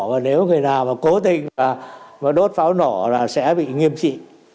và nếu người nào mà cố tình mà đốt pháo nổ là sẽ bị nghiêm trị